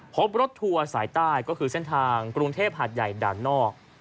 พบรถทัวร์สายใต้ก็คือเส้นทางกรุงเทพหาดใหญ่ด่านนอก